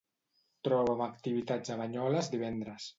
Troba'm activitats a Banyoles divendres.